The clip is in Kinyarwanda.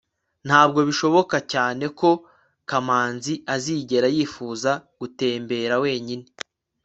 ntabwo bishoboka cyane ko kamanzi azigera yifuza gutembera wenyine